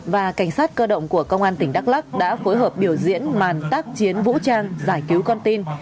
và cảnh sát cơ động của công an tỉnh đắk lắc đã phối hợp biểu diễn màn tác chiến vũ trang giải cứu con tin